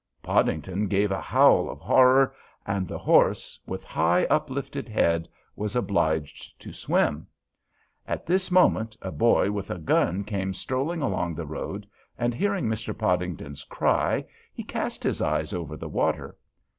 Podington gave a howl of horror, and the horse, with high, uplifted head, was obliged to swim. At this moment a boy with a gun came strolling along the road, and hearing Mr. Podington's cry, he cast his eyes over the water.